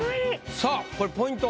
・さぁこれポイントは？